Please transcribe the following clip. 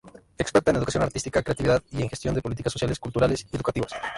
Experta en Educación Artística, Creatividad y en Gestión de Políticas Sociales, Culturales y Educativas.